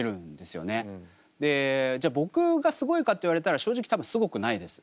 でじゃ僕がすごいかって言われたら正直多分すごくないです。